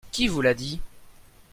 Qui vous l'a dit ?